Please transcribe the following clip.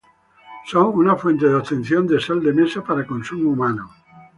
Son una fuente de obtención de sal de mesa para consumo humano.